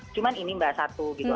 cuma ini mbak satu gitu